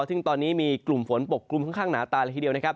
ซึ่งตอนนี้มีกลุ่มฝนปกกรุมข้างหนาตาละทีเดียว